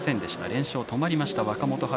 連勝、止まりました、若元春。